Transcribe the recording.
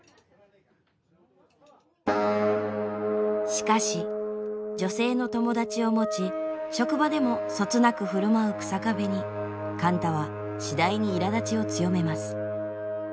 しかし女性の友達を持ち職場でもそつなく振る舞う日下部に貫多は次第にいらだちを強めます。